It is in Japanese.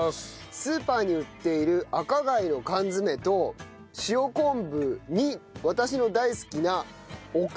スーパーに売っている赤貝の缶詰と塩昆布に私の大好きなお菓子！？